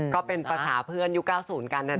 ก็เป็นประสาทเพื่อนยุค๙๐กันนะครับ